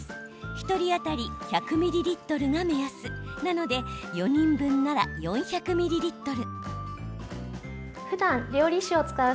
１人当たり１００ミリリットルが目安なので４人分なら４００ミリリットル。